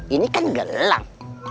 ini kan gelang